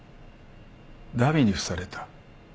荼毘に付された。